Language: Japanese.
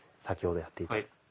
先ほどやっていた。